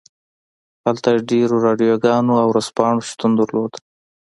هلته ډیرې راډیوګانې او ورځپاڼې شتون درلود